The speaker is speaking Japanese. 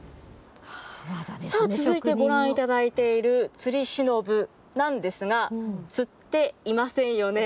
さあ、続いてご覧いただいているつりしのぶなんですが、つっていませんよね。